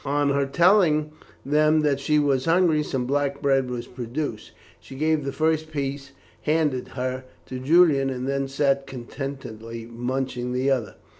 On her telling them that she was hungry, some black bread was produced. She gave the first piece handed her to Julian, and then sat contentedly munching another.